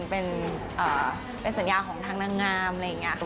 เป็นสัญญาของทางนางงามอะไรอย่างนี้ค่ะ